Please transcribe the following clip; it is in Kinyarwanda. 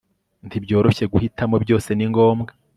nibyoroshye. guhitamo byose ni ngombwa